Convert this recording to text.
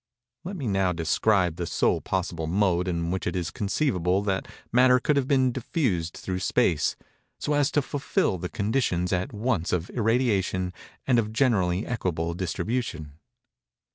Let me now describe the sole possible mode in which it is conceivable that matter could have been diffused through space, so as to fulfil the conditions at once of irradiation and of generally equable distribution.